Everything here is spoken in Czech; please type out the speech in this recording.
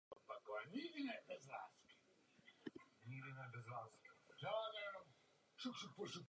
Turci byli poraženi.